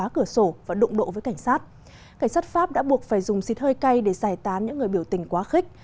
cảnh sát pháp đã buộc phải dùng xịt hơi cay để giải tán những người biểu tình quá khích